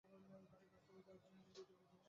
এ-সব ভালো কথা নয়।